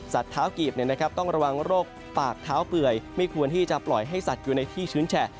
เท้ากีบต้องระวังโรคปากเท้าเปื่อยไม่ควรที่จะปล่อยให้สัตว์อยู่ในที่ชื้นแฉะ